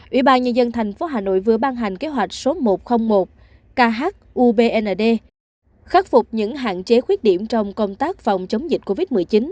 ủy ban nhân dân tp hà nội vừa ban hành kế hoạch số một trăm linh một khubnd khắc phục những hạn chế khuyết điểm trong công tác phòng chống dịch covid một mươi chín